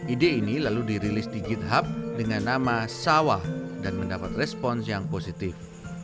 ide ini lalu dirilis di github dengan nama sawah dan mendapat respons yang positif